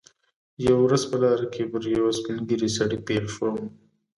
یوه ورځ په لاره کې پر یوه سپین ږیري سړي پېښ شوم.